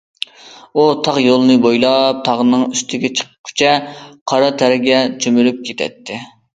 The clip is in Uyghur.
ئۇ تاغ يولىنى بويلاپ تاغنىڭ ئۈستىگە چىققۇچە قارا تەرگە چۆمۈلۈپ كېتەتتى.